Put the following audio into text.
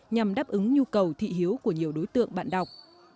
nhằm đáp ứng nhu cầu thị hiếu của nhiều đối tượng bạn đọc